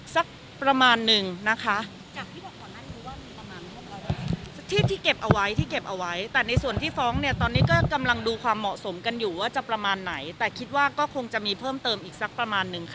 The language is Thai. แต่คิดว่าก็คงจะมีเพิ่มเติมอีกสักประมาณหนึ่งค่ะทั้งสิบคนสิบเอ็ดอุ้นนี้ได้โทรมาขอโทษถูกรายหรือยังค่ะยังนะคะยังยังใช่ค่ะ